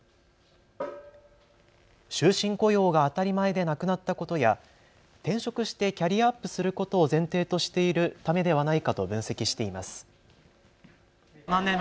終身雇用が当たり前でなくなったことや転職してキャリアアップすることを前提としているためではないかと分析しています。